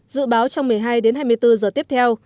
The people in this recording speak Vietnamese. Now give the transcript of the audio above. dự báo trong một mươi hai hai mươi bốn h tiếp theo